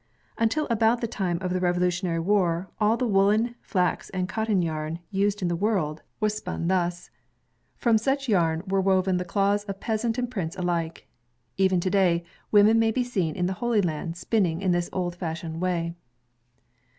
t Until about the time of the Revolutionary War, all the woolen, flax, and cotton yarn used in the world was spun SPINNING MACHINES thus. From such yam were woven the clothes of peasant and prince alike. Even to day, women may be seen in the Holy Land, spinning in this old fashioned way.